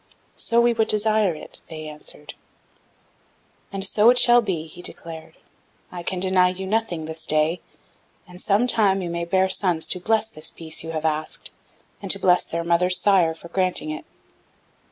"'So we would desire it,' they answered. "'And so shall it be,' he declared. 'I can deny you nothing this day, and some time you may bear sons to bless this peace you have asked, and to bless their mother's sire for granting it.'